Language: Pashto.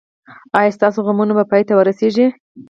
ایا ستاسو غمونه به پای ته ورسیږي؟